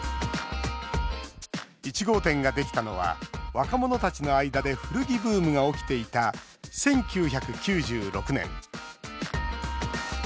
１号店ができたのは若者たちの間で古着ブームが起きていた１９９６年。